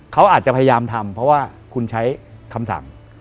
เขาอาจจะพยายามทำเพราะว่าคุณใช้คำสั่ง